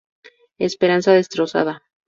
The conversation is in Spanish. Esperanza destrozada.